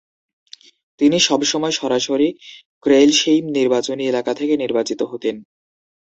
তিনি সবসময় সরাসরি ক্রেইলশেইম নির্বাচনী এলাকা থেকে নির্বাচিত হতেন।